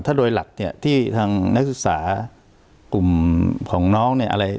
ถ้าโดยหลักเนี่ยที่ทางนักศึกษากลุ่มของน้องเนี่ยอะไร